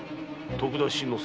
徳田新之助。